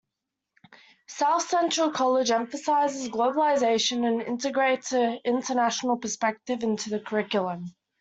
South Central College emphasizes globalization and integrates an international perspective into the curriculum.